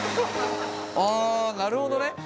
あなるほどね。